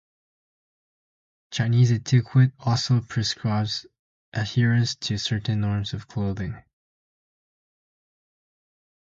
Chinese etiquette also prescribes adherence to certain norms of clothing.